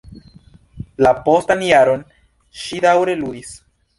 La postan jaron, ŝi daŭre ludis.